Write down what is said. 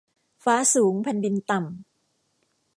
ฟ้าสูงแผ่นดินต่ำ